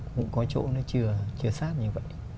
cũng có chỗ nó chưa sát như vậy